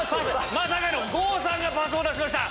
まさかの郷さんがパスを出しました。